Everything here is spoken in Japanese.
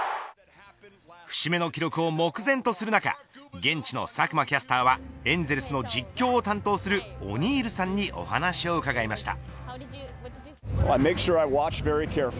節目の記録を目前とする中現地の佐久間キャスターはエンゼルスの実況を担当するオニールさんにお話を伺いました。